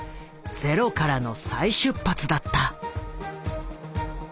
ゼロからの再出発だった。